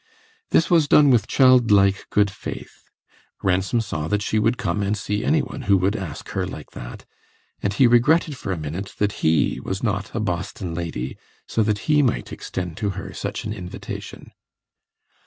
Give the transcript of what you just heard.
This was done with childlike good faith. Ransom saw that she would come and see any one who would ask her like that, and he regretted for a minute that he was not a Boston lady, so that he might extend to her such an invitation.